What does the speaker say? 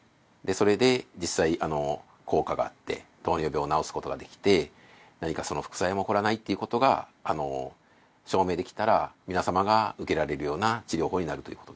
それで実際効果があって糖尿病を治すことができて何か副作用も起こらないっていうことが証明できたら皆様が受けられるような治療法になるということです。